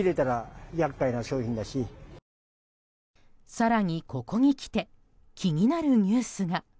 更に、ここにきて気になるニュースが。